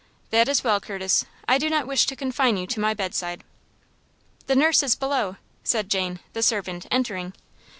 "That is well, Curtis. I do not wish to confine you to my bedside." "The nurse is below," said Jane, the servant, entering.